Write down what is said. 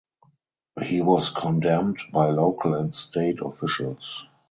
He was condemned by local and state officials.